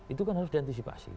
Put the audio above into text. itu kan harus diantisipasi